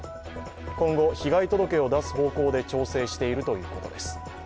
今後、被害届を出す方向で調整しているということです。